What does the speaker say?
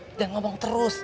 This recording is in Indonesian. jangan ngomong terus